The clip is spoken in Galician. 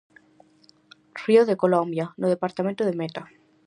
Río de Colombia, no departamento de Meta.